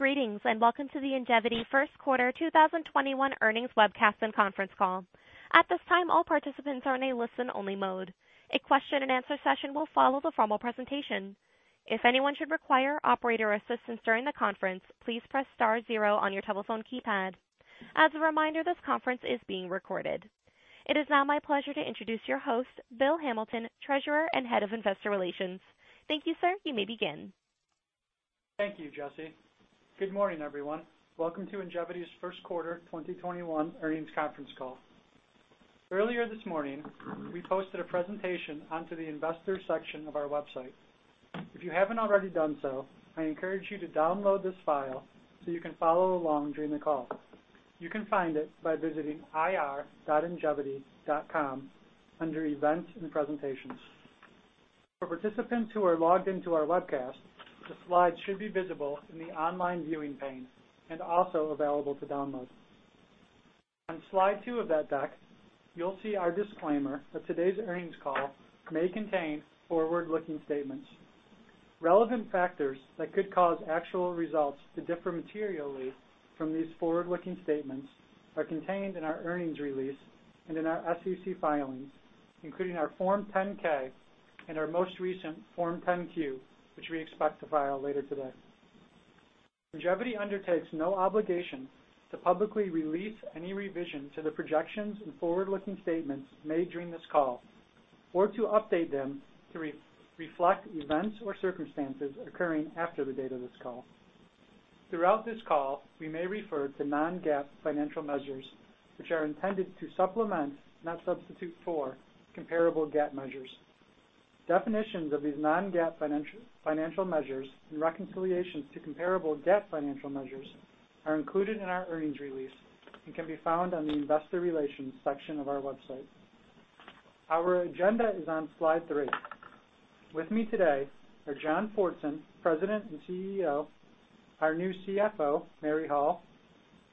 Greetings, and welcome to the Ingevity first quarter 2021 earnings webcast and conference call. At this time, all participants are in a listen-only mode. A question and answer session will follow the formal presentation. If anyone should require operator assistance during the conference, please press star zero on your telephone keypad. As a reminder, this conference is being recorded. It is now my pleasure to introduce your host, Bill Hamilton, Treasurer and Head of Investor Relations. Thank you, sir. You may begin. Thank you, Jessie. Good morning, everyone. Welcome to Ingevity's first quarter 2021 earnings conference call. Earlier this morning, we posted a presentation onto the investors section of our website. If you haven't already done so, I encourage you to download this file so you can follow along during the call. You can find it by visiting ir.ingevity.com under Events and Presentations. For participants who are logged into our webcast, the slides should be visible in the online viewing pane and also available to download. On slide two of that deck, you'll see our disclaimer that today's earnings call may contain forward-looking statements. Relevant factors that could cause actual results to differ materially from these forward-looking statements are contained in our earnings release and in our SEC filings, including our Form 10-K and our most recent Form 10-Q, which we expect to file later today. Ingevity undertakes no obligation to publicly release any revision to the projections and forward-looking statements made during this call, or to update them to reflect events or circumstances occurring after the date of this call. Throughout this call, we may refer to non-GAAP financial measures, which are intended to supplement, not substitute for, comparable GAAP measures. Definitions of these non-GAAP financial measures and reconciliations to comparable GAAP financial measures are included in our earnings release and can be found on the Investor Relations section of our website. Our agenda is on slide three. With me today are John Fortson, President and CEO, our new CFO, Mary Hall,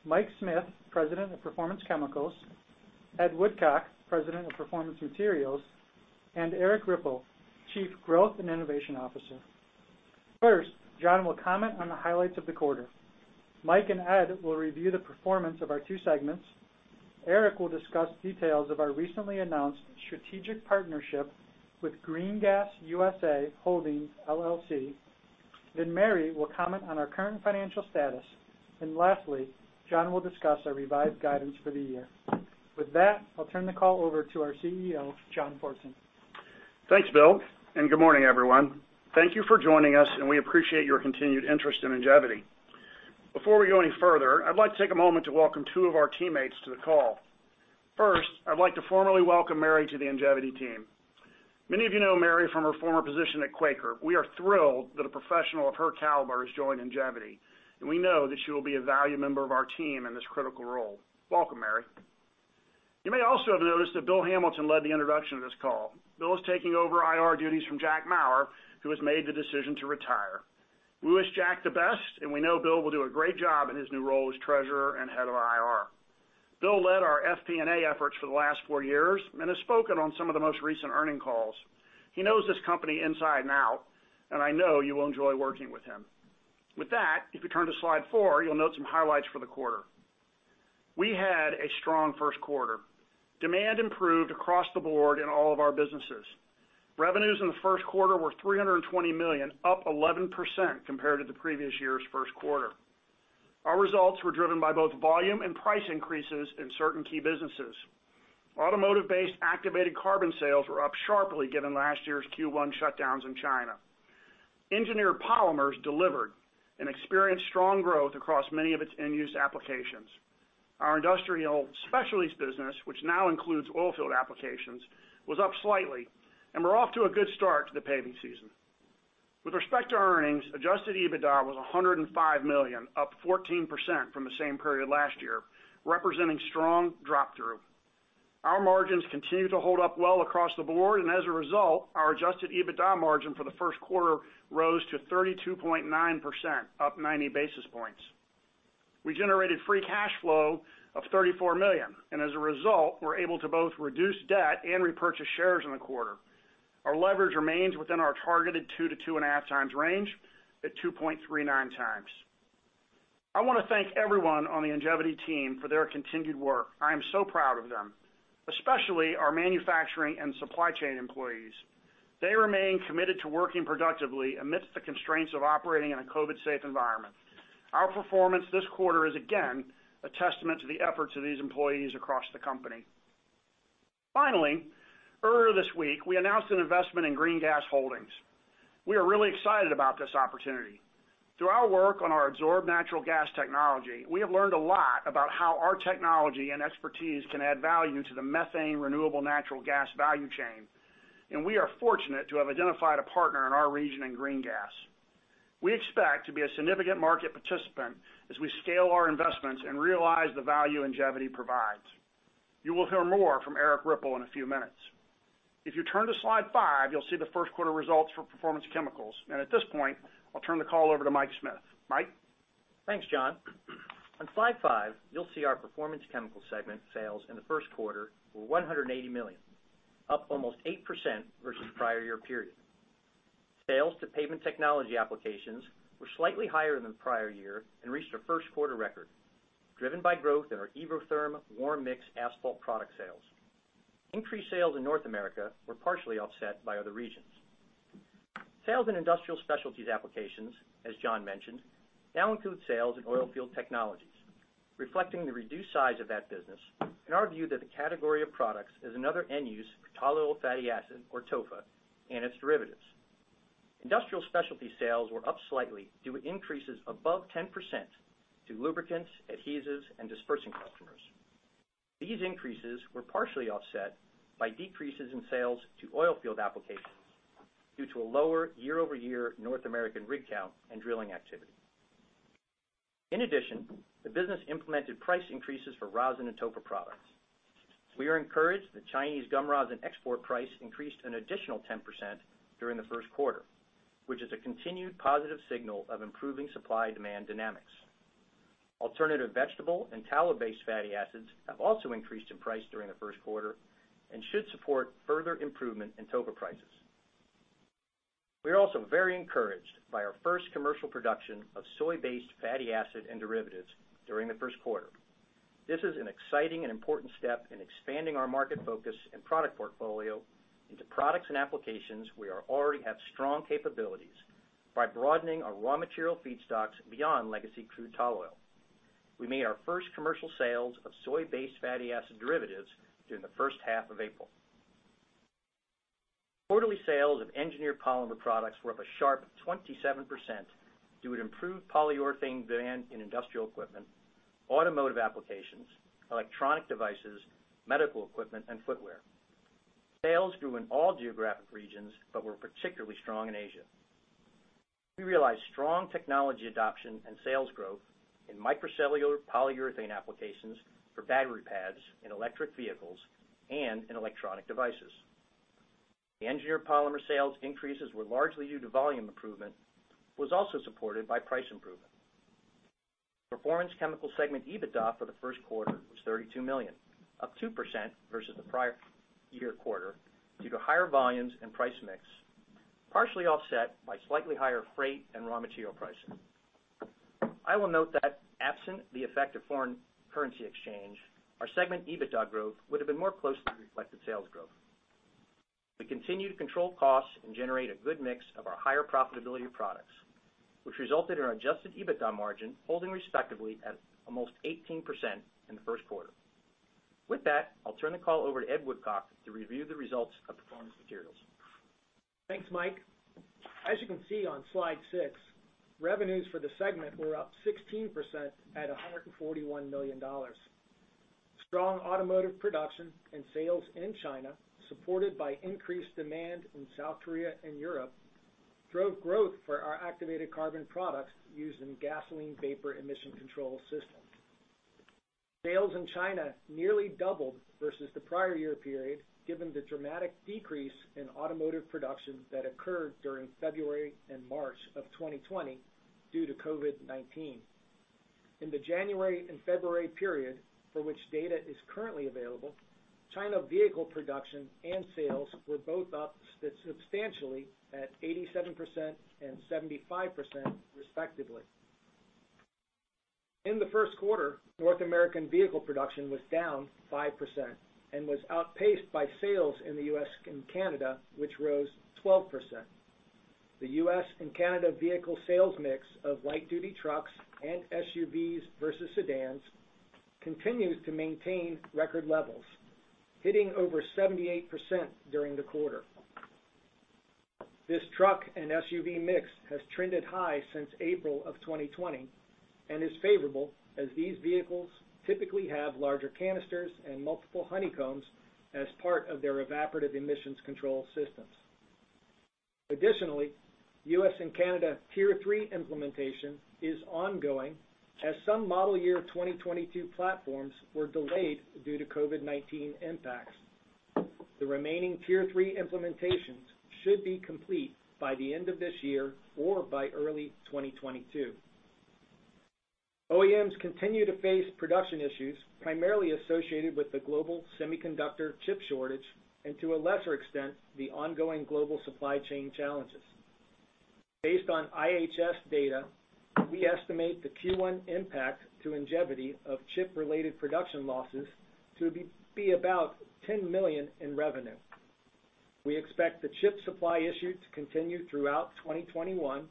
Mike Smith, President of Performance Chemicals, Ed Woodcock, President of Performance Materials, and Erik Ripple, Chief Growth and Innovation Officer. First, John will comment on the highlights of the quarter. Mike and Ed will review the performance of our two segments. Erik Ripple will discuss details of our recently announced strategic partnership with GreenGasUSA Holdings, LLC. Mary Dean Hall will comment on our current financial status. John C. Fortson will discuss our revised guidance for the year. With that, I'll turn the call over to our CEO, John C. Fortson. Thanks, Bill, good morning, everyone. Thank you for joining us, we appreciate your continued interest in Ingevity. Before we go any further, I'd like to take a moment to welcome two of our teammates to the call. First, I'd like to formally welcome Mary to the Ingevity team. Many of you know Mary from her former position at Quaker. We are thrilled that a professional of her caliber has joined Ingevity, we know that she will be a valued member of our team in this critical role. Welcome, Mary. You may also have noticed that Bill Hamilton led the introduction of this call. Bill is taking over IR duties from Jack Maurer, who has made the decision to retire. We wish Jack the best, we know Bill will do a great job in his new role as Treasurer and Head of Investor Relations. Bill led our FP&A efforts for the last four years and has spoken on some of the most recent earnings calls. He knows this company inside and out, and I know you will enjoy working with him. With that, if you turn to slide four, you'll note some highlights for the quarter. We had a strong first quarter. Demand improved across the board in all of our businesses. Revenues in the first quarter were $320 million, up 11% compared to the previous year's first quarter. Our results were driven by both volume and price increases in certain key businesses. Automotive-based activated carbon sales were up sharply given last year's Q1 shutdowns in China. Engineered polymers delivered and experienced strong growth across many of its end-use applications. Our industrial specialties business, which now includes oil field applications, was up slightly, and we're off to a good start to the paving season. With respect to earnings, adjusted EBITDA was $105 million, up 14% from the same period last year, representing strong drop through. Our margins continue to hold up well across the board, and as a result, our adjusted EBITDA margin for the first quarter rose to 32.9%, up 90 basis points. We generated free cash flow of $34 million, and as a result, were able to both reduce debt and repurchase shares in the quarter. Our leverage remains within our targeted two to two and a half times range at 2.39x. I want to thank everyone on the Ingevity team for their continued work. I am so proud of them, especially our manufacturing and supply chain employees. They remain committed to working productively amidst the constraints of operating in a COVID-safe environment. Our performance this quarter is again a testament to the efforts of these employees across the company. Finally, earlier this week, we announced an investment in GreenGasUSA Holdings. We are really excited about this opportunity. Through our work on our adsorbed natural gas technology, we have learned a lot about how our technology and expertise can add value to the methane renewable natural gas value chain, and we are fortunate to have identified a partner in our region in GreenGasUSA. We expect to be a significant market participant as we scale our investments and realize the value Ingevity provides. You will hear more from Erik Ripple in a few minutes. If you turn to slide five, you'll see the first quarter results for Performance Chemicals. At this point, I'll turn the call over to Mike Smith. Mike? Thanks, John. On slide five, you'll see our Performance Chemicals segment sales in the first quarter were $180 million, up almost 8% versus the prior year period. Sales to pavement technology applications were slightly higher than the prior year and reached a first quarter record, driven by growth in our Evotherm warm mix asphalt product sales. Increased sales in North America were partially offset by other regions. Sales in industrial specialties applications, as John mentioned, now include sales in oilfield technologies, reflecting the reduced size of that business and our view that the category of products is another end use for tall oil fatty acid, or TOFA, and its derivatives. Industrial specialty sales were up slightly due to increases above 10% to lubricants, adhesives, and dispersing customers. These increases were partially offset by decreases in sales to oilfield applications due to a lower year-over-year North American rig count and drilling activity. In addition, the business implemented price increases for rosin and TOFA products. We are encouraged that Chinese gum rosin export price increased an additional 10% during the first quarter, which is a continued positive signal of improving supply-demand dynamics. Alternative vegetable and tallow-based fatty acids have also increased in price during the first quarter and should support further improvement in TOFA prices. We are also very encouraged by our first commercial production of soy-based fatty acid and derivatives during the first quarter. This is an exciting and important step in expanding our market focus and product portfolio into products and applications where we already have strong capabilities by broadening our raw material feedstocks beyond legacy crude tall oil. We made our first commercial sales of soy-based fatty acid derivatives during the first half of April. Quarterly sales of engineered polymer products were up a sharp 27% due to improved polyurethane demand in industrial equipment, automotive applications, electronic devices, medical equipment, and footwear. Sales grew in all geographic regions but were particularly strong in Asia. We realized strong technology adoption and sales growth in microcellular polyurethane applications for battery pads in electric vehicles and in electronic devices. The engineered polymer sales increases were largely due to volume improvement, was also supported by price improvement. Performance Chemicals segment EBITDA for the first quarter was $32 million, up 2% versus the prior year quarter due to higher volumes and price mix, partially offset by slightly higher freight and raw material prices. I will note that absent the effect of foreign currency exchange, our segment EBITDA growth would've been more closely reflected sales growth. We continue to control costs and generate a good mix of our higher profitability products, which resulted in our adjusted EBITDA margin holding respectively at almost 18% in the first quarter. With that, I'll turn the call over to Ed Woodcock to review the results of Performance Materials. Thanks, Mike. As you can see on slide six, revenues for the segment were up 16% at $141 million. Strong automotive production and sales in China, supported by increased demand in South Korea and Europe, drove growth for our activated carbon products used in gasoline vapor emission control systems. Sales in China nearly doubled versus the prior year period, given the dramatic decrease in automotive production that occurred during February and March of 2020 due to COVID-19. In the January and February period for which data is currently available, China vehicle production and sales were both up substantially at 87% and 75%, respectively. In the first quarter, North American vehicle production was down 5% and was outpaced by sales in the U.S. and Canada, which rose 12%. The U.S. and Canada vehicle sales mix of light duty trucks and SUVs versus sedans continues to maintain record levels, hitting over 78% during the quarter. This truck and SUV mix has trended high since April of 2020 and is favorable, as these vehicles typically have larger canisters and multiple honeycombs as part of their evaporative emissions control systems. Additionally, U.S. and Canada Tier 3 implementation is ongoing as some model year 2022 platforms were delayed due to COVID-19 impacts. The remaining Tier 3 implementations should be complete by the end of this year or by early 2022. OEMs continue to face production issues, primarily associated with the global semiconductor chip shortage and, to a lesser extent, the ongoing global supply chain challenges. Based on IHS data, we estimate the Q1 impact to Ingevity of chip-related production losses to be about $10 million in revenue. We expect the chip supply issue to continue throughout 2021,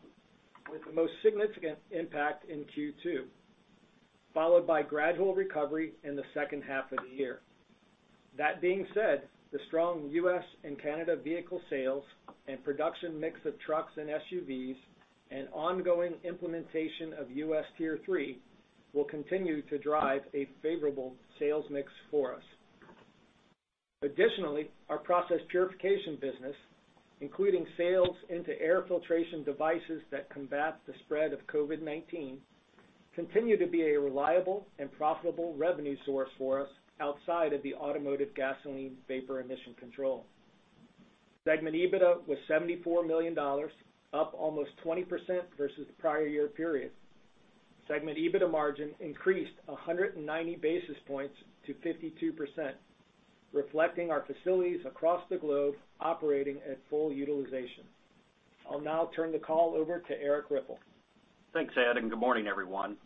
with the most significant impact in Q2, followed by gradual recovery in the second half of the year. That being said, the strong U.S. and Canada vehicle sales and production mix of trucks and SUVs and ongoing implementation of U.S. Tier 3 will continue to drive a favorable sales mix for us. Our process purification business, including sales into air filtration devices that combat the spread of COVID-19, continue to be a reliable and profitable revenue source for us outside of the automotive gasoline vapor emission control. Segment EBITDA was $74 million, up almost 20% versus the prior year period. Segment EBITDA margin increased 190 basis points to 52%, reflecting our facilities across the globe operating at full utilization. I'll now turn the call over to Erik Ripple. Thanks, Ed, and good morning, everyone.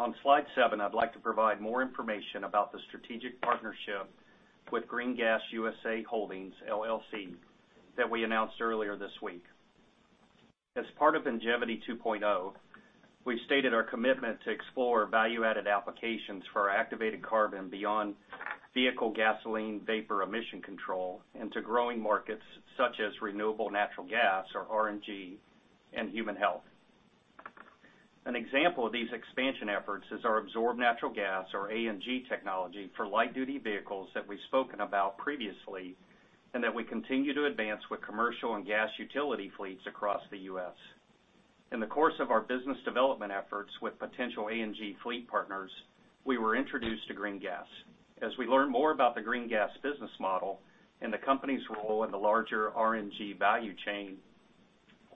On slide seven, I'd like to provide more information about the strategic partnership with GreenGasUSA Holdings, LLC, that we announced earlier this week. As part of Ingevity 2.0, we've stated our commitment to explore value-added applications for our activated carbon beyond vehicle gasoline vapor emission control into growing markets such as renewable natural gas, or RNG, and human health. An example of these expansion efforts is our absorbed natural gas, or ANG technology, for light-duty vehicles that we've spoken about previously, and that we continue to advance with commercial and gas utility fleets across the U.S. In the course of our business development efforts with potential ANG fleet partners, we were introduced to GreenGas. As we learn more about the GreenGas business model and the company's role in the larger RNG value chain,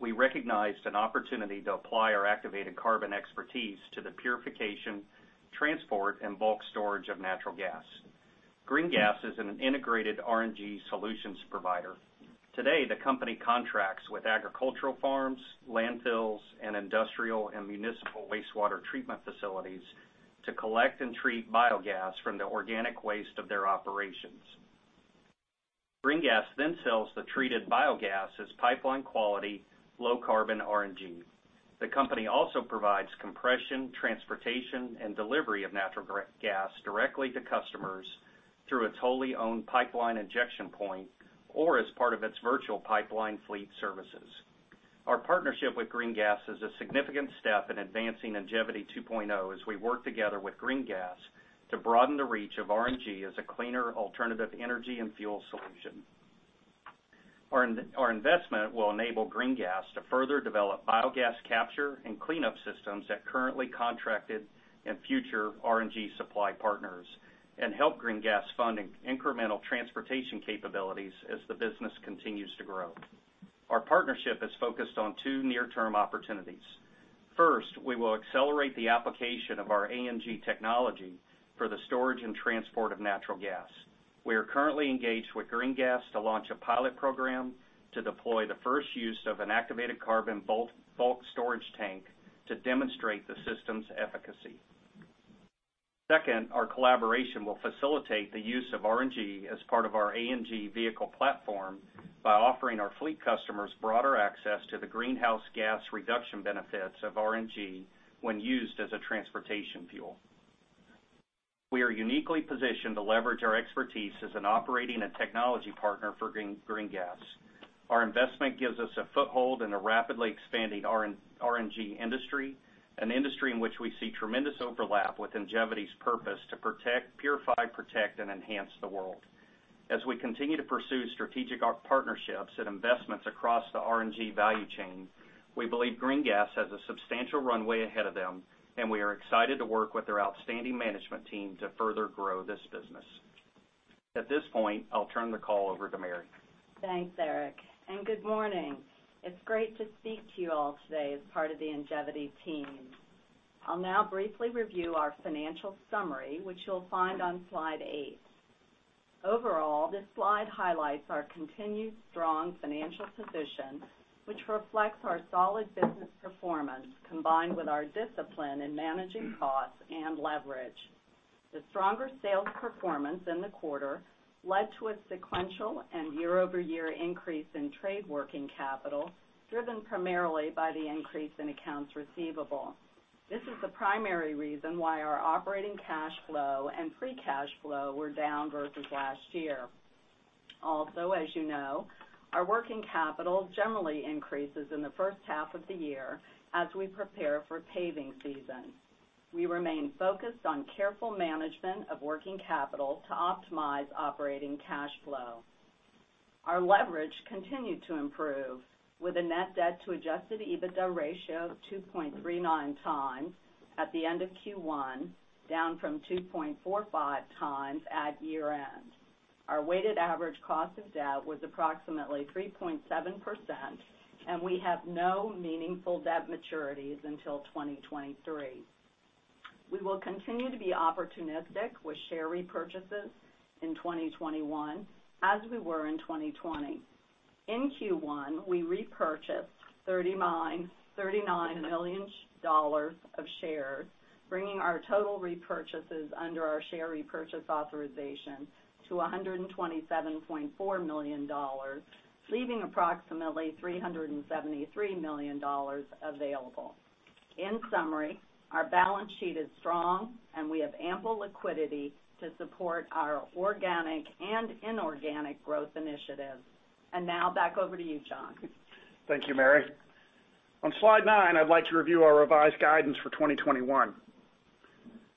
we recognized an opportunity to apply our activated carbon expertise to the purification, transport, and bulk storage of natural gas. GreenGas is an integrated RNG solutions provider. Today, the company contracts with agricultural farms, landfills, and industrial and municipal wastewater treatment facilities to collect and treat biogas from the organic waste of their operations. GreenGas then sells the treated biogas as pipeline-quality, low-carbon RNG. The company also provides compression, transportation, and delivery of natural gas directly to customers through its wholly owned pipeline injection point or as part of its virtual pipeline fleet services. Our partnership with GreenGas is a significant step in advancing Ingevity 2.0 as we work together with GreenGas to broaden the reach of RNG as a cleaner alternative energy and fuel solution. Our investment will enable GreenGas to further develop biogas capture and cleanup systems at currently contracted and future RNG supply partners and help GreenGas fund incremental transportation capabilities as the business continues to grow. Our partnership is focused on two near-term opportunities. First, we will accelerate the application of our ANG technology for the storage and transport of natural gas. We are currently engaged with GreenGas to launch a pilot program to deploy the first use of an activated carbon bulk storage tank to demonstrate the system's efficacy. Second, our collaboration will facilitate the use of RNG as part of our ANG vehicle platform by offering our fleet customers broader access to the greenhouse gas reduction benefits of RNG when used as a transportation fuel. We are uniquely positioned to leverage our expertise as an operating and technology partner for GreenGas. Our investment gives us a foothold in a rapidly expanding RNG industry, an industry in which we see tremendous overlap with Ingevity's purpose to purify, protect, and enhance the world. As we continue to pursue strategic partnerships and investments across the RNG value chain, we believe GreenGas has a substantial runway ahead of them, and we are excited to work with their outstanding management team to further grow this business. At this point, I'll turn the call over to Mary. Thanks, Erik, good morning. It's great to speak to you all today as part of the Ingevity team. I'll now briefly review our financial summary, which you'll find on slide eight. Overall, this slide highlights our continued strong financial position, which reflects our solid business performance, combined with our discipline in managing costs and leverage. The stronger sales performance in the quarter led to a sequential and year-over-year increase in trade working capital, driven primarily by the increase in accounts receivable. This is the primary reason why our operating cash flow and free cash flow were down versus last year. As you know, our working capital generally increases in the first half of the year as we prepare for paving season. We remain focused on careful management of working capital to optimize operating cash flow. Our leverage continued to improve with a net debt to adjusted EBITDA ratio of 2.39x at the end of Q1, down from 2.45x at year-end. Our weighted average cost of debt was approximately 3.7%, and we have no meaningful debt maturities until 2023. We will continue to be opportunistic with share repurchases in 2021, as we were in 2020. In Q1, we repurchased $39 million of shares, bringing our total repurchases under our share repurchase authorization to $127.4 million, leaving approximately $373 million available. In summary, our balance sheet is strong, and we have ample liquidity to support our organic and inorganic growth initiatives. Now back over to you, John. Thank you, Mary. On slide nine, I'd like to review our revised guidance for 2021.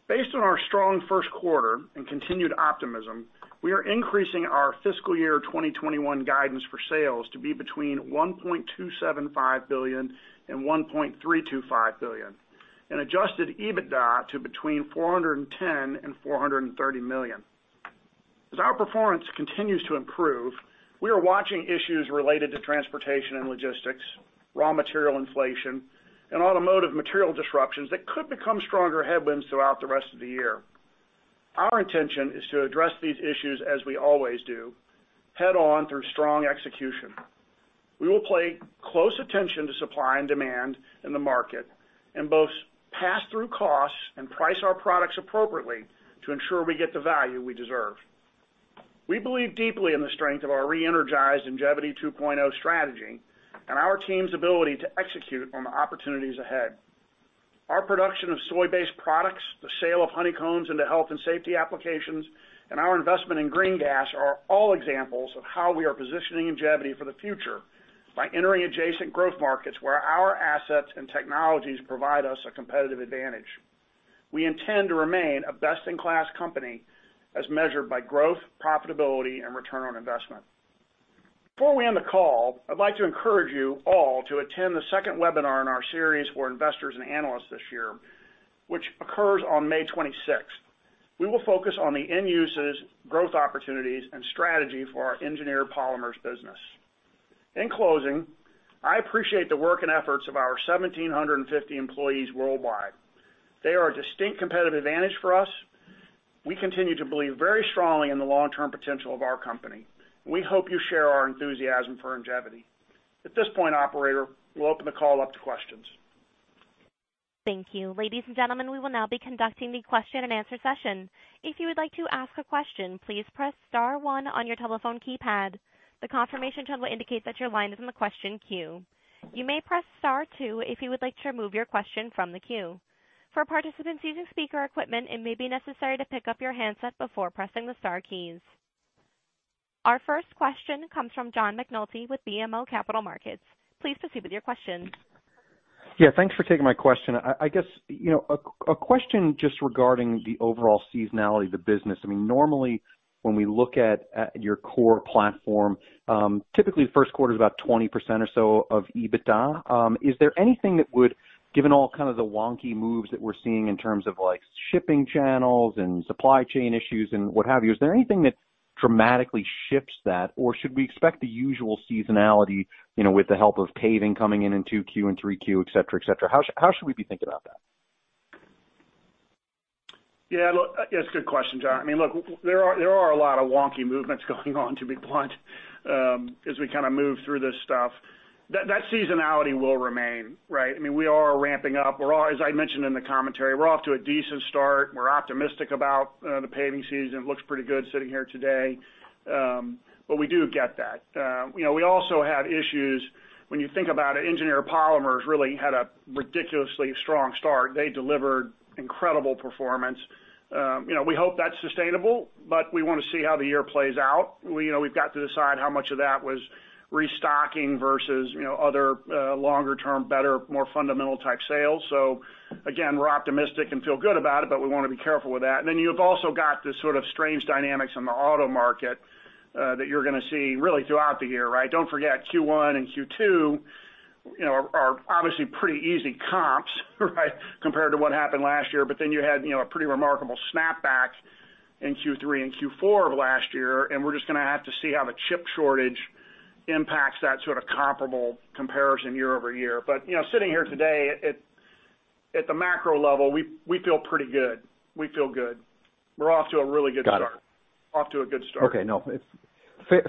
Based on our strong first quarter and continued optimism, we are increasing our fiscal year 2021 guidance for sales to be between $1.275 billion and $1.325 billion, and adjusted EBITDA to between $410 million and $430 million. As our performance continues to improve, we are watching issues related to transportation and logistics, raw material inflation, and automotive material disruptions that could become stronger headwinds throughout the rest of the year. Our intention is to address these issues as we always do: head-on through strong execution. We will pay close attention to supply and demand in the market and both pass through costs and price our products appropriately to ensure we get the value we deserve. We believe deeply in the strength of our re-energized Ingevity 2.0 strategy and our team's ability to execute on the opportunities ahead. Our production of soy-based products, the sale of honeycombs into health and safety applications, and our investment in GreenGasUSA are all examples of how we are positioning Ingevity for the future by entering adjacent growth markets where our assets and technologies provide us a competitive advantage. We intend to remain a best-in-class company as measured by growth, profitability, and return on investment. Before we end the call, I'd like to encourage you all to attend the second webinar in our series for investors and analysts this year, which occurs on May 26th. We will focus on the end uses, growth opportunities, and strategy for our engineered polymers business. In closing, I appreciate the work and efforts of our 1,750 employees worldwide. They are a distinct competitive advantage for us. We continue to believe very strongly in the long-term potential of our company, and we hope you share our enthusiasm for Ingevity. At this point, operator, we will open the call up to questions. Thank you. Ladies and gentlemen, we will now be conducting the question and answer session. If you would like to ask a question, please press star one on your telephone keypad. The confirmation tone will indicate that your line is in the question queue. You may press star two if you would like to remove your question from the queue. For participants using speaker equipment, it may be necessary to pick up your handset before pressing the star keys. Our first question comes from John McNulty with BMO Capital Markets. Please proceed with your question. Yeah, thanks for taking my question. I guess, a question just regarding the overall seasonality of the business. Normally, when we look at your core platform, typically first quarter is about 20% or so of EBITDA. Is there anything that would, given all kind of the wonky moves that we're seeing in terms of shipping channels and supply chain issues and what have you, is there anything that dramatically shifts that? Should we expect the usual seasonality with the help of paving coming in in 2Q and 3Q, et cetera? How should we be thinking about that? Yeah, look, it's a good question, John. Look, there are a lot of wonky movements going on, to be blunt, as we move through this stuff. That seasonality will remain, right? We are ramping up. As I mentioned in the commentary, we're off to a decent start. We're optimistic about the paving season. It looks pretty good sitting here today. We do get that. We also have issues when you think about it, engineered polymers really had a ridiculously strong start. They delivered incredible performance. We hope that's sustainable, but we want to see how the year plays out. We've got to decide how much of that was restocking versus other longer-term, better, more fundamental type sales. Again, we're optimistic and feel good about it, but we want to be careful with that. You've also got this sort of strange dynamics in the auto market that you're going to see really throughout the year, right? Don't forget, Q1 and Q2 are obviously pretty easy comps, right, compared to what happened last year. You had a pretty remarkable snapback in Q3 and Q4 of last year, and we're just going to have to see how the chip shortage impacts that sort of comparable comparison year-over-year. Sitting here today, at the macro level, we feel pretty good. We feel good. We're off to a really good start. Got it. Off to a good start. Okay. No,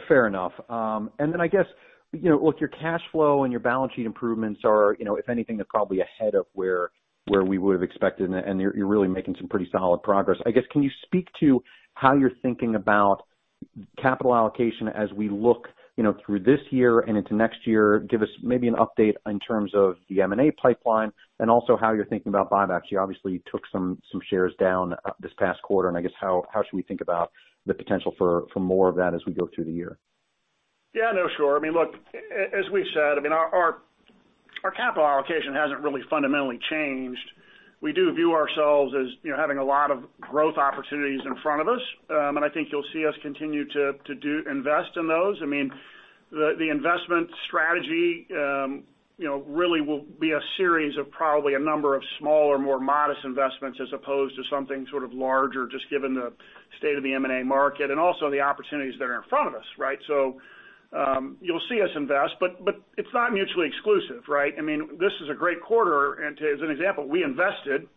fair enough. I guess, with your cash flow and your balance sheet improvements are, if anything, they're probably ahead of where we would've expected, and you're really making some pretty solid progress. I guess, can you speak to how you're thinking about capital allocation as we look through this year and into next year? Give us maybe an update in terms of the M&A pipeline and also how you're thinking about buybacks. You obviously took some shares down this past quarter. I guess how should we think about the potential for more of that as we go through the year? Yeah, no, sure. Look, as we've said, our capital allocation hasn't really fundamentally changed. We do view ourselves as having a lot of growth opportunities in front of us. I think you'll see us continue to invest in those. The investment strategy really will be a series of probably a number of smaller, more modest investments as opposed to something sort of larger, just given the state of the M&A market and also the opportunities that are in front of us, right? You'll see us invest, but it's not mutually exclusive, right? This is a great quarter, and as an example, we invested.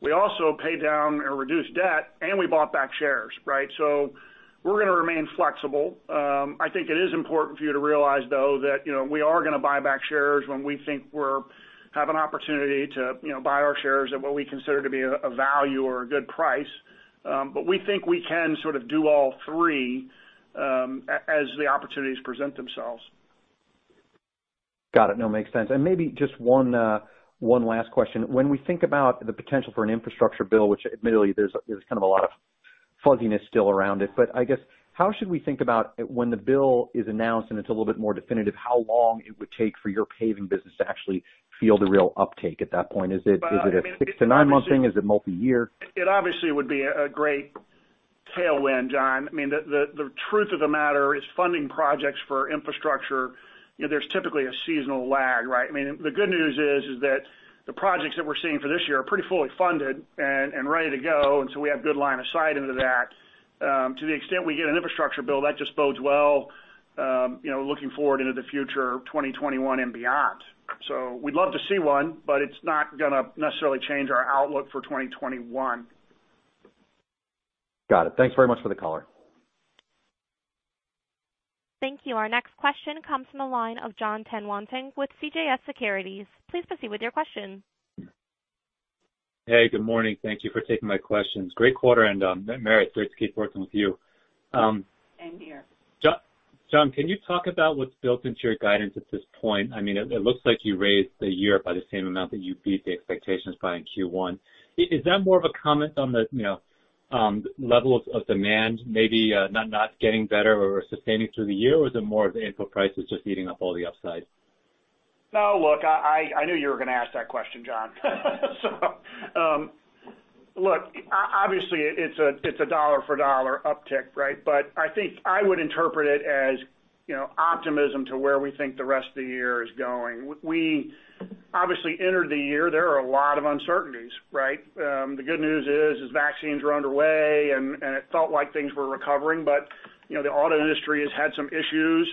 We also paid down or reduced debt, and we bought back shares, right? We're going to remain flexible. I think it is important for you to realize, though, that we are going to buy back shares when we think we have an opportunity to buy our shares at what we consider to be a value or a good price. We think we can sort of do all three as the opportunities present themselves. Got it. No, makes sense. Maybe just one last question. When we think about the potential for an infrastructure bill, which admittedly there's kind of a lot of fuzziness still around it, but I guess, how should we think about when the bill is announced and it's a little bit more definitive, how long it would take for your paving business to actually feel the real uptake at that point? Is it a six to nine-month thing? Is it multi-year? It obviously would be a great tailwind, John. The truth of the matter is funding projects for infrastructure, there's typically a seasonal lag, right? The good news is that the projects that we're seeing for this year are pretty fully funded and ready to go. We have good line of sight into that. To the extent we get an infrastructure bill, that just bodes well looking forward into the future, 2021 and beyond. We'd love to see one, but it's not going to necessarily change our outlook for 2021. Got it. Thanks very much for the color. Thank you. Our next question comes from the line of Jon Tanwanteng with CJS Securities. Please proceed with your question. Hey, good morning. Thank you for taking my questions. Great quarter. Mary Dean Hall, great to keep working with you. Same here. John, can you talk about what's built into your guidance at this point? It looks like you raised the year by the same amount that you beat the expectations by in Q1. Is that more of a comment on the level of demand maybe not getting better or sustaining through the year, or is it more of the input prices just eating up all the upside? No, look, I knew you were going to ask that question, Jon. Look, obviously it's a dollar for dollar uptick. I think I would interpret it as optimism to where we think the rest of the year is going. We obviously entered the year, there are a lot of uncertainties. The good news is vaccines were underway, and it felt like things were recovering, but the auto industry has had some issues.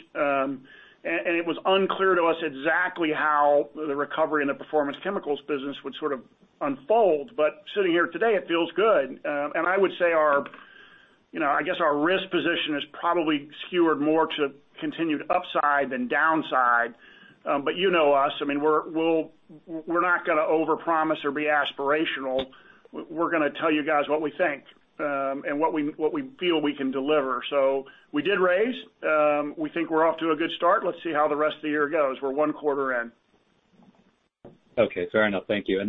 It was unclear to us exactly how the recovery in the Performance Chemicals business would sort of unfold. Sitting here today, it feels good. I would say, I guess our risk position is probably skewered more to continued upside than downside. You know us, we're not going to overpromise or be aspirational. We're going to tell you guys what we think, and what we feel we can deliver. We did raise. We think we're off to a good start. Let's see how the rest of the year goes. We're one quarter in. Okay. Fair enough. Thank you.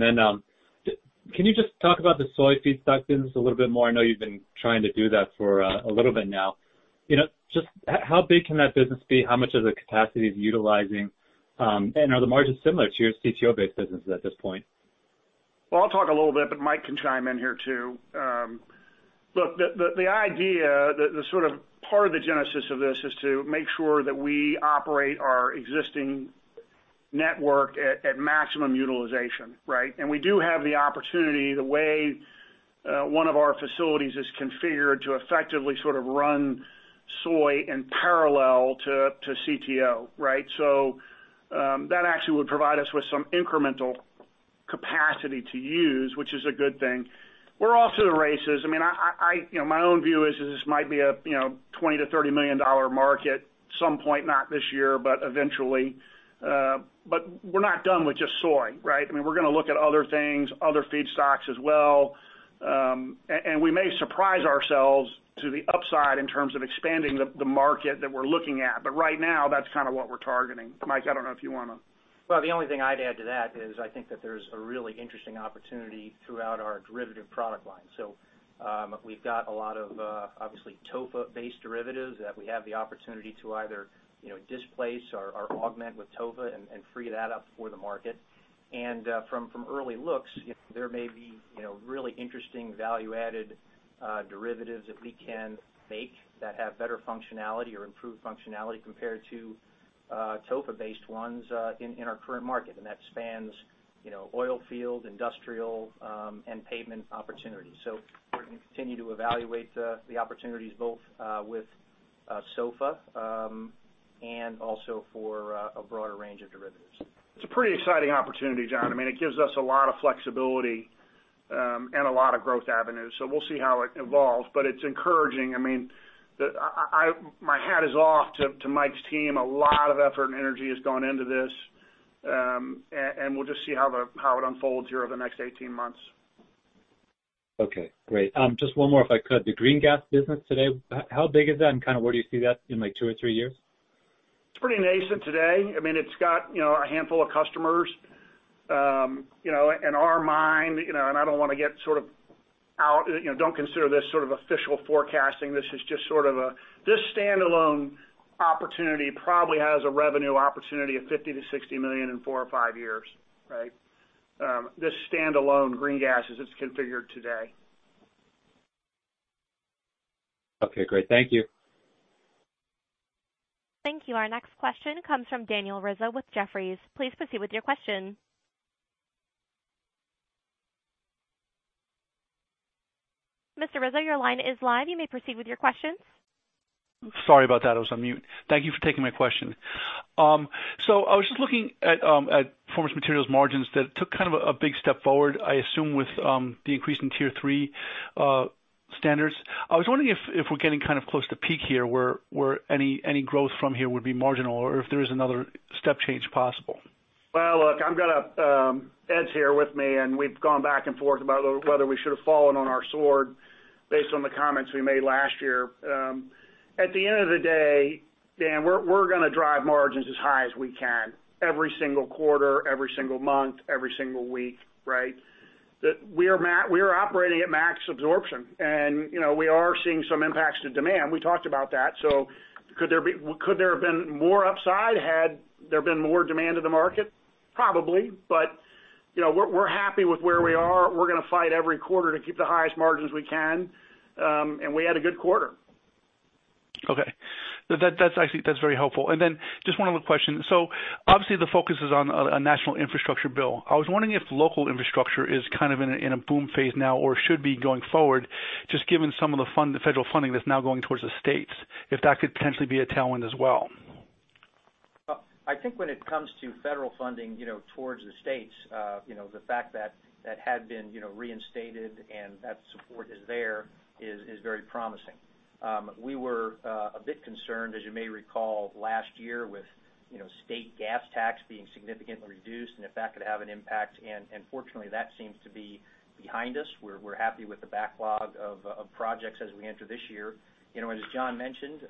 Can you just talk about the soy feedstock business a little bit more? I know you've been trying to do that for a little bit now. Just how big can that business be? How much of the capacity is utilizing? Are the margins similar to your CTO-based businesses at this point? Well, I'll talk a little bit, but Mike can chime in here too. Look, the idea, the sort of part of the genesis of this is to make sure that we operate our existing network at maximum utilization. We do have the opportunity, the way one of our facilities is configured to effectively sort of run soy in parallel to CTO. That actually would provide us with some incremental capacity to use, which is a good thing. We're off to the races. My own view is this might be a $20 million-$30 million market some point, not this year, but eventually. We're not done with just soy. We're going to look at other things, other feedstocks as well. We may surprise ourselves to the upside in terms of expanding the market that we're looking at. Right now, that's kind of what we're targeting. Mike, I don't know if you want to. The only thing I'd add to that is I think that there's a really interesting opportunity throughout our derivative product line. We've got a lot of obviously TOFA-based derivatives that we have the opportunity to either displace or augment with TOFA and free that up for the market. From early looks, there may be really interesting value-added derivatives that we can make that have better functionality or improved functionality compared to TOFA-based ones in our current market. That spans oil field, industrial, and pavement opportunities. We're going to continue to evaluate the opportunities both with TOFA, and also for a broader range of derivatives. It's a pretty exciting opportunity, Jon. It gives us a lot of flexibility, and a lot of growth avenues. We'll see how it evolves, but it's encouraging. My hat is off to Mike's team. A lot of effort and energy has gone into this. We'll just see how it unfolds here over the next 18 months. Okay. Great. Just one more, if I could. The GreenGas business today, how big is that, and kind of where do you see that in two or three years? It's pretty nascent today. It's got a handful of customers. In our mind, and I don't want to get sort of out-- don't consider this sort of official forecasting. This standalone opportunity probably has a revenue opportunity of $50 million-$60 million in four or five years. This standalone GreenGas as it's configured today. Okay, great. Thank you. Thank you. Our next question comes from Daniel Rizzo with Jefferies. Please proceed with your question. Mr. Rizzo, your line is live. You may proceed with your questions. Sorry about that. I was on mute. Thank you for taking my question. I was just looking at Performance Materials margins that took kind of a big step forward, I assume with the increase in Tier 3 standards. I was wondering if we're getting kind of close to peak here where any growth from here would be marginal, or if there is another step change possible. Look, Ed's here with me, and we've gone back and forth about whether we should have fallen on our sword based on the comments we made last year. At the end of the day, Dan, we're going to drive margins as high as we can every single quarter, every single month, every single week. We are operating at max absorption. We are seeing some impacts to demand. We talked about that. Could there have been more upside had there been more demand in the market? Probably. We're happy with where we are. We're going to fight every quarter to keep the highest margins we can. We had a good quarter. Okay. Actually, that's very helpful. Just one other question. Obviously the focus is on a national infrastructure bill. I was wondering if local infrastructure is kind of in a boom phase now, or should be going forward, just given some of the federal funding that's now going towards the states, if that could potentially be a tailwind as well. Well, I think when it comes to federal funding towards the states, the fact that that had been reinstated and that support is there is very promising. We were a bit concerned, as you may recall, last year with state gas tax being significantly reduced and if that could have an impact. Fortunately, that seems to be behind us. We're happy with the backlog of projects as we enter this year. As John mentioned,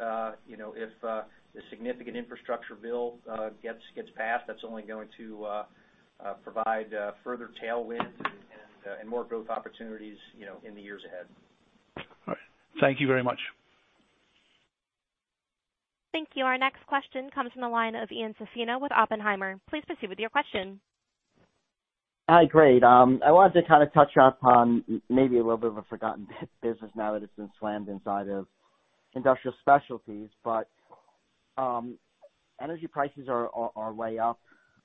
if a significant infrastructure bill gets passed, that's only going to provide further tailwind and more growth opportunities in the years ahead. All right. Thank you very much. Thank you. Our next question comes from the line of Ian Zaffino with Oppenheimer. Please proceed with your question. Hi. Great. I wanted to kind of touch up on maybe a little bit of a forgotten business now that it's been slammed inside of Industrial Specialties, but energy prices are way up.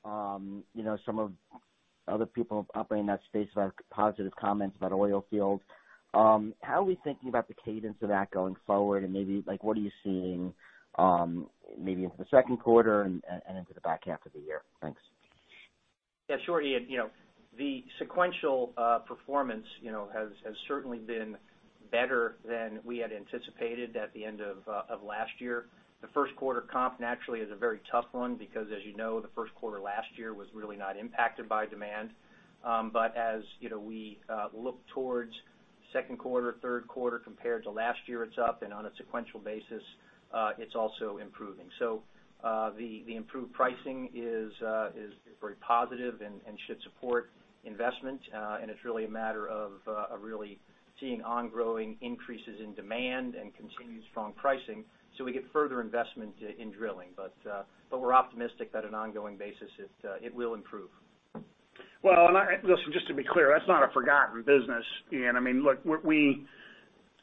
Some of the other people operating in that space have positive comments about oil fields. How are we thinking about the cadence of that going forward, and maybe what are you seeing maybe into the second quarter and into the back half of the year? Thanks. Yeah. Sure, Ian. The sequential performance has certainly been better than we had anticipated at the end of last year. The first quarter comp naturally is a very tough one because as you know, the first quarter last year was really not impacted by demand. As we look towards second quarter, third quarter compared to last year, it's up, and on a sequential basis it's also improving. The improved pricing is very positive and should support investment. It's really a matter of really seeing ongoing increases in demand and continued strong pricing so we get further investment in drilling. We're optimistic that an ongoing basis, it will improve. Listen, just to be clear, that's not a forgotten business, Ian. Look,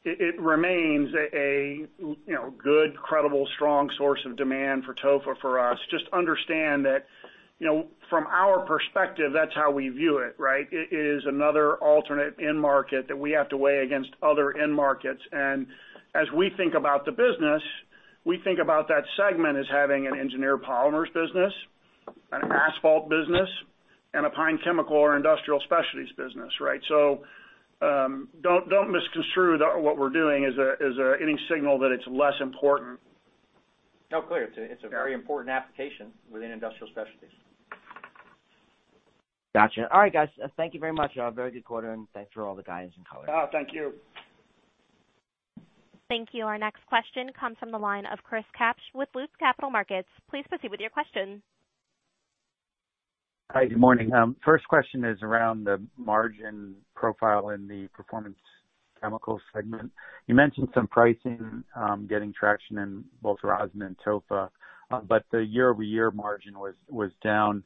it remains a good, credible, strong source of demand for TOFA for us. Just understand that from our perspective, that's how we view it. It is another alternate end market that we have to weigh against other end markets. As we think about the business, we think about that segment as having an engineered polymers business, an asphalt business, and a pine chemical or industrial specialties business. Don't misconstrue that what we're doing is any signal that it's less important. No, clear. It's a very important application within industrial specialties. Got you. All right, guys, thank you very much. A very good quarter. Thanks for all the guidance and color. Oh, thank you. Thank you. Our next question comes from the line of Chris Kapsch with Loop Capital Markets. Please proceed with your question. Hi, good morning. First question is around the margin profile in the Performance Chemicals segment. You mentioned some pricing getting traction in both rosin and TOFA. The year-over-year margin was down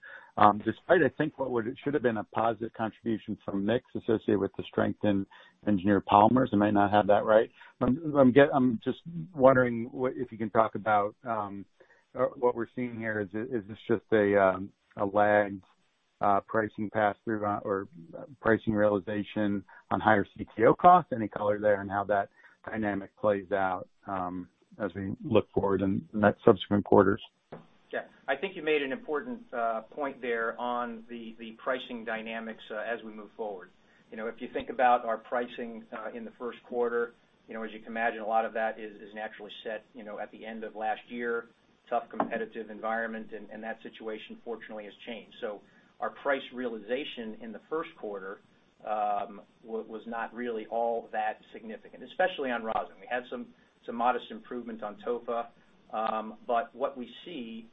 despite, I think what should have been a positive contribution from mix associated with the strength in engineered polymers. I might not have that right, I'm just wondering if you can talk about what we're seeing here. Is this just a lagged pricing pass through or pricing realization on higher CTO costs? Any color there on how that dynamic plays out as we look forward in subsequent quarters? I think you made an important point there on the pricing dynamics as we move forward. If you think about our pricing in the first quarter, as you can imagine, a lot of that is naturally set at the end of last year, tough competitive environment, and that situation fortunately has changed. Our price realization in the first quarter was not really all that significant, especially on rosin. We had some modest improvement on TOFA. What we see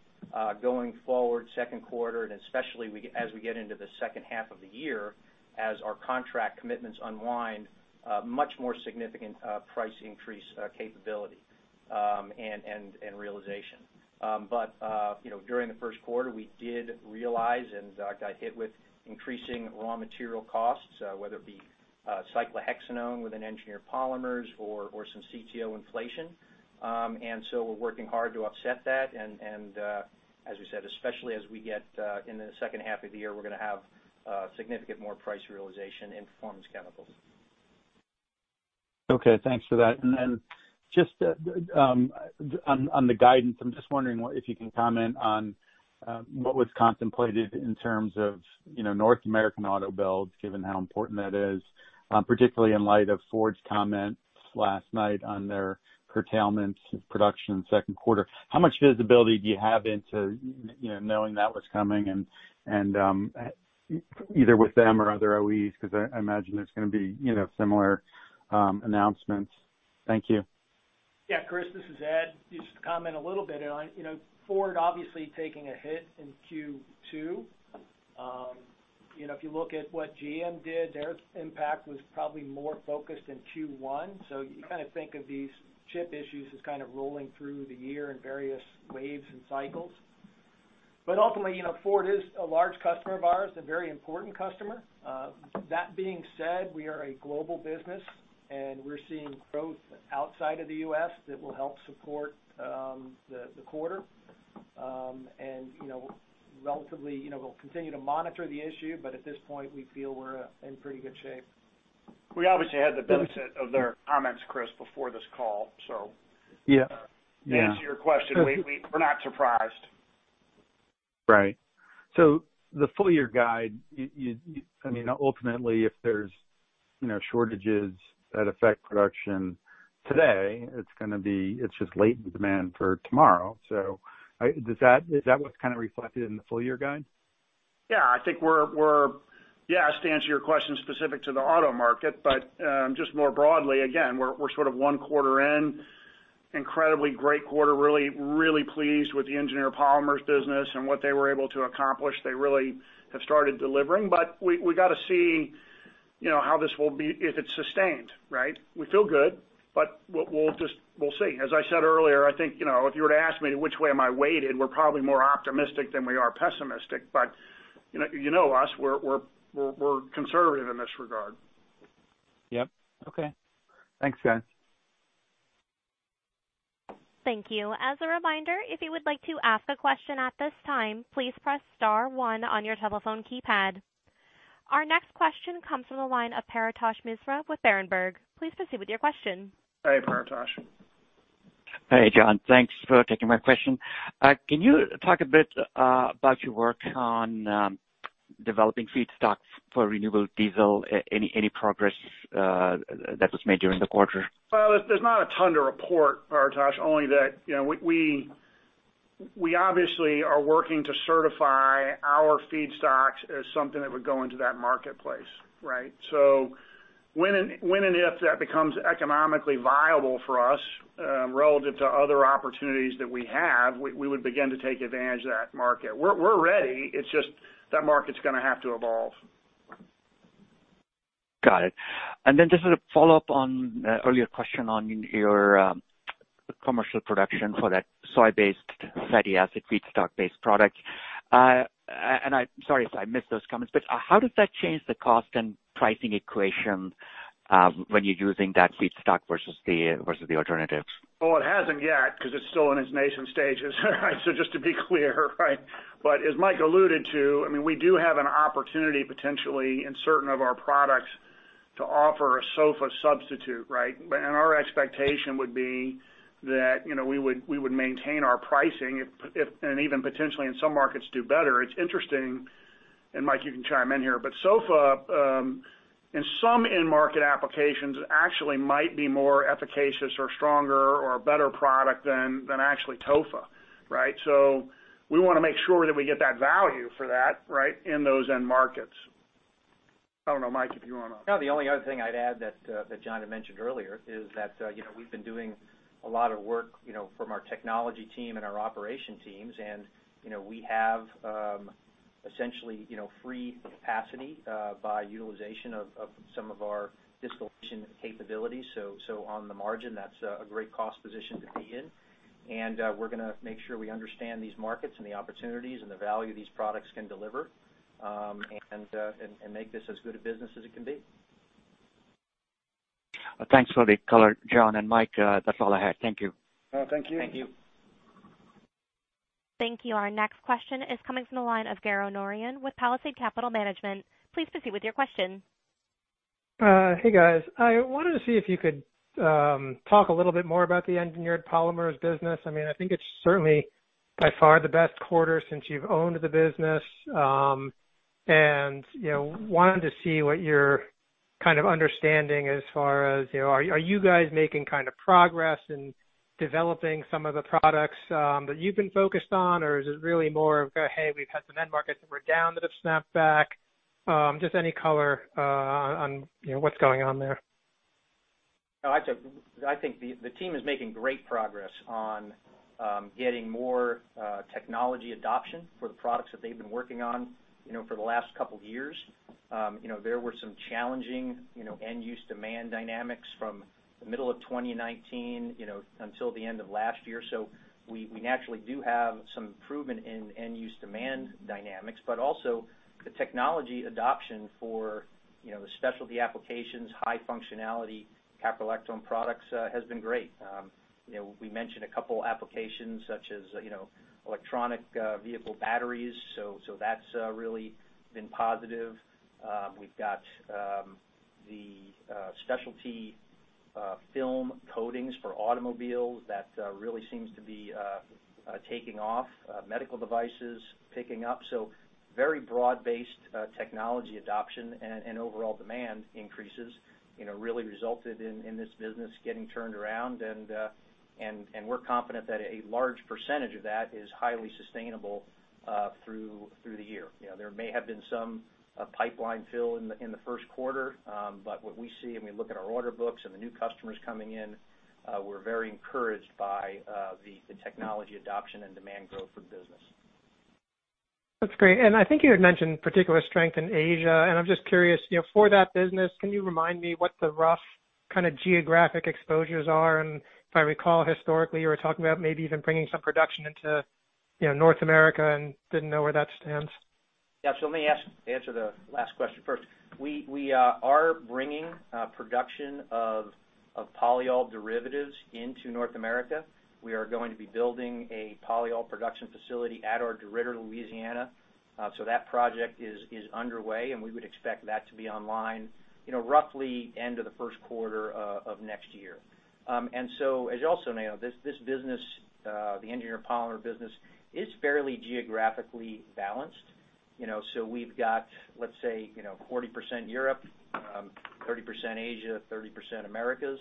going forward second quarter, and especially as we get into the second half of the year as our contract commitments unwind, much more significant price increase capability and realization. During the first quarter, we did realize and got hit with increasing raw material costs, whether it be cyclohexanone within engineered polymers or some CTO inflation. We're working hard to offset that, and as we said, especially as we get in the second half of the year, we're going to have significant more price realization in Performance Chemicals. Thanks for that. Just on the guidance, I'm just wondering if you can comment on what was contemplated in terms of North American auto builds, given how important that is, particularly in light of Ford's comments last night on their curtailment of production in second quarter. How much visibility do you have into knowing that was coming and either with them or other OEs, because I imagine there's going to be similar announcements. Thank you. Yeah. Chris, this is Ed. Just to comment a little bit. Ford obviously taking a hit in Q2. If you look at what GM did, their impact was probably more focused in Q1. You kind of think of these chip issues as kind of rolling through the year in various waves and cycles. Ultimately, Ford is a large customer of ours, a very important customer. That being said, we are a global business and we're seeing growth outside of the U.S. that will help support the quarter. Relatively, we'll continue to monitor the issue, but at this point, we feel we're in pretty good shape. We obviously had the benefit of their comments, Chris, before this call. Yeah To answer your question, we're not surprised. Right. The full year guide, ultimately, if there's shortages that affect production today, it's just latent demand for tomorrow. Is that what's kind of reflected in the full year guide? Yeah, to answer your question specific to the auto market, just more broadly, again, we're sort of one quarter in. Incredibly great quarter. Really pleased with the engineered polymers business and what they were able to accomplish. They really have started delivering. We got to see if it's sustained, right? We feel good, but we'll see. As I said earlier, I think, if you were to ask me which way am I weighted, we're probably more optimistic than we are pessimistic. You know us, we're conservative in this regard. Yep. Okay. Thanks, guys. Thank you. As a reminder, if you would like to ask a question at this time, please press star one on your telephone keypad. Our next question comes from the line of Paretosh Misra with Berenberg. Please proceed with your question. Hey, Paretosh. Hey, John. Thanks for taking my question. Can you talk a bit about your work on developing feedstocks for renewable diesel? Any progress that was made during the quarter? There's not a ton to report, Paretosh, only that we obviously are working to certify our feedstocks as something that would go into that marketplace, right? When and if that becomes economically viable for us relative to other opportunities that we have, we would begin to take advantage of that market. We're ready. It's just that market's going to have to evolve. Got it. Just as a follow-up on an earlier question on your commercial production for that soy-based fatty acid feedstock based product. I'm sorry if I missed those comments, how does that change the cost and pricing equation when you're using that feedstock versus the alternatives? Well, it hasn't yet, because it's still in its nascent stages. Just to be clear, right? As Mike alluded to, we do have an opportunity, potentially, in certain of our products to offer a TOFA substitute, right? Our expectation would be that we would maintain our pricing, and even potentially in some markets do better. It's interesting, and Mike, you can chime in here, but TOFA, in some end market applications, actually might be more efficacious or stronger or a better product than actually TOFA, right? We want to make sure that we get that value for that, right, in those end markets. I don't know, Mike, if you want to. No, the only other thing I'd add that John had mentioned earlier is that we've been doing a lot of work from our technology team and our operation teams, and we have essentially free capacity by utilization of some of our distillation capabilities. On the margin, that's a great cost position to be in. We're going to make sure we understand these markets and the opportunities and the value these products can deliver, and make this as good a business as it can be. Thanks for the color, John and Mike. That's all I had. Thank you. Thank you. Thank you. Thank you. Our next question is coming from the line of Garo Norian with Palisade Capital Management. Please proceed with your question. Hey, guys. I wanted to see if you could talk a little bit more about the engineered polymers business. I think it's certainly by far the best quarter since you've owned the business. Wanted to see what your kind of understanding as far as are you guys making progress in developing some of the products that you've been focused on? Or is it really more of a, "Hey, we've had some end markets that were down that have snapped back"? Just any color on what's going on there. I think the team is making great progress on getting more technology adoption for the products that they've been working on for the last couple of years. There were some challenging end use demand dynamics from the middle of 2019 until the end of last year. We naturally do have some improvement in end use demand dynamics, but also the technology adoption for the specialty applications, high functionality caprolactone products has been great. We mentioned a couple applications such as electronic vehicle batteries. That's really been positive. We've got the specialty film coatings for automobiles that really seems to be taking off, medical devices picking up. Very broad-based technology adoption and overall demand increases really resulted in this business getting turned around, and we're confident that a large percentage of that is highly sustainable through the year. There may have been some pipeline fill in the first quarter. What we see when we look at our order books and the new customers coming in, we're very encouraged by the technology adoption and demand growth for the business. That's great. I think you had mentioned particular strength in Asia, and I'm just curious for that business, can you remind me what the rough geographic exposures are? If I recall historically, you were talking about maybe even bringing some production into North America and didn't know where that stands. Let me answer the last question first. We are bringing production of polyol derivatives into North America. We are going to be building a polyol production facility at our DeRidder, Louisiana. That project is underway, and we would expect that to be online roughly end of the first quarter of next year. As you also know, this business, the engineered polymer business, is fairly geographically balanced. We've got, let's say, 40% Europe, 30% Asia, 30% Americas.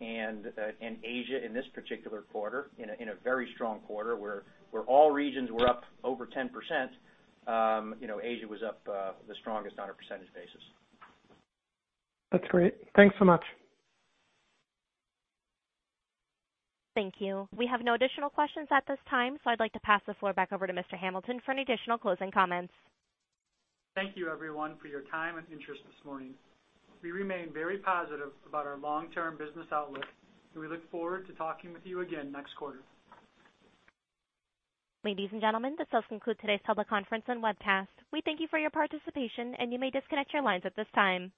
Asia in this particular quarter, in a very strong quarter where all regions were up over 10%, Asia was up the strongest on a percentage basis. That's great. Thanks so much. Thank you. We have no additional questions at this time. I'd like to pass the floor back over to Mr. Hamilton for any additional closing comments. Thank you everyone for your time and interest this morning. We remain very positive about our long-term business outlook, and we look forward to talking with you again next quarter. Ladies and gentlemen, this does conclude today's public conference and webcast. We thank you for your participation, and you may disconnect your lines at this time.